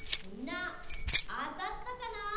みんなあたったかな？